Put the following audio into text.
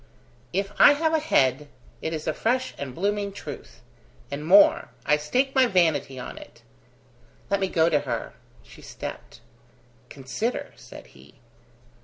"If I have a head, it is a fresh and blooming truth. And more I stake my vanity on it!" "Let me go to her." She stepped. "Consider," said he.